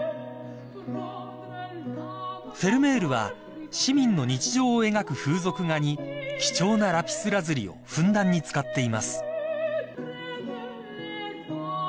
［フェルメールは市民の日常を描く風俗画に貴重なラピスラズリをふんだんに使っています］